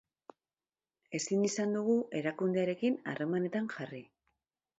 Ezin izan dugu erakundearekin harremanetan jarri.